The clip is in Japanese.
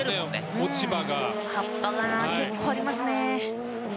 結構ありますね。